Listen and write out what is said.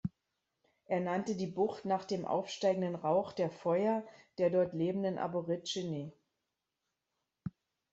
Er nannte die Bucht nach dem aufsteigenden Rauch der Feuer der dort lebenden Aborigine.